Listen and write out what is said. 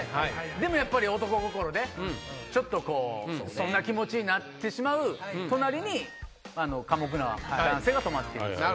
でもやっぱり男心でちょっとそんな気持ちになってしまう隣に寡黙な男性が泊まってるんですよ。